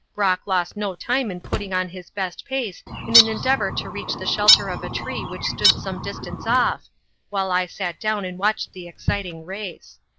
Brock lost no time in putting on his best pace in an endeavour to reach the shelter of a tree which stood some distance off, while I sat down and watched the exciting race.